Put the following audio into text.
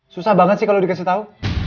susah banget sih kalo dikasih tau